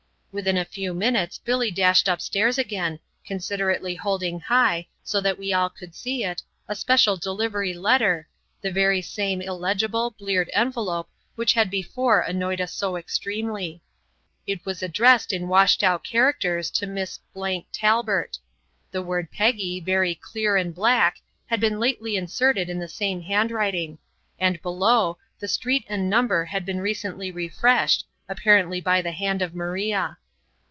Within a few minutes Billy dashed up stairs again, considerately holding high, so that we all could see it, a special delivery letter, the very same illegible, bleared envelope which had before annoyed us so extremely. It was addressed in washed out characters to Miss Talbert. The word Peggy, very clear and black, had been lately inserted in the same handwriting; and below, the street and number had been recently refreshed, apparently by the hand of Maria.